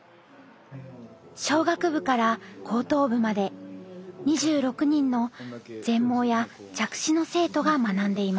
小学部から高等部まで２６人の全盲や弱視の生徒が学んでいます。